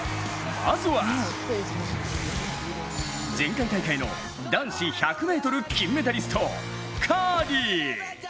まずは前回大会の男子１００ｍ金メダリスト、カーリー。